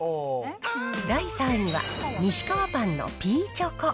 第３位は、ニシカワパンのピーチョコ。